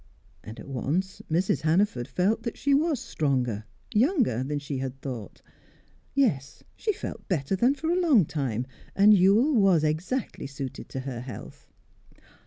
And at once Mrs. Hannaford felt that she was stronger, younger, than she had thought. Yes, she felt better than for a long time, and Ewell was exactly suited to her health.